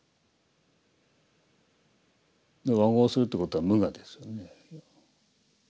和合するということは無我ですよね。